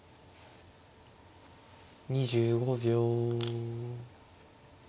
２５秒。